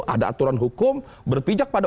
ada aturan hukum berpijak pada